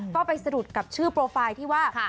ก็ไปสะดุดกับชื่อโปรไฟล์ที่ว่า